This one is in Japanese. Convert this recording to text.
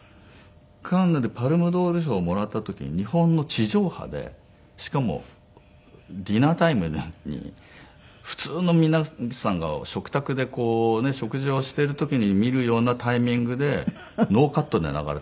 カンヌでパルム・ドール賞をもらった時に日本の地上波でしかもディナータイムに普通の皆さんが食卓で食事をしている時に見るようなタイミングでノーカットで流れたんですよ。